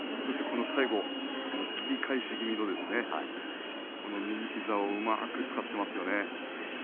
最後、切り返し気味の右膝をうまく使っていますよね。